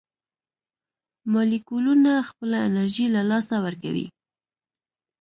مالیکولونه خپله انرژي له لاسه ورکوي.